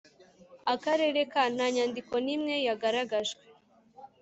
Akarere ka Nta nyandiko n imwe yagaragajwe